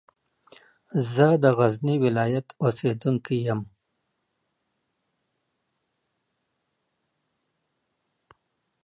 زه د غزني ولایت اوسېدونکی یم.